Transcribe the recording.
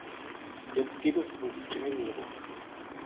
Jetzt geht es um Diskriminierung.